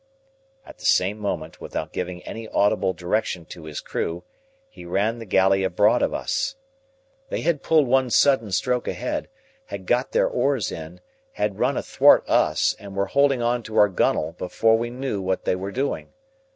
At the same moment, without giving any audible direction to his crew, he ran the galley abroad of us. They had pulled one sudden stroke ahead, had got their oars in, had run athwart us, and were holding on to our gunwale, before we knew what they were doing.